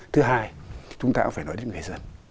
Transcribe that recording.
thứ hai chúng ta cũng phải nói đến người dân